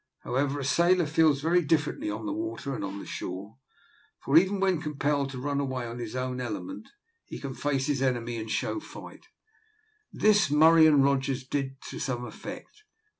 However, a sailor feels very differently on the water and on shore, for even when compelled to run away on his own element, he can face his enemy and show fight: this Murray and Rogers now did to some effect.